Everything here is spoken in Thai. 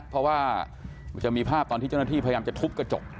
เพราะว่ามีภาพว่าตอนที่เจ้าหน้าที่พยายามทุบกระจก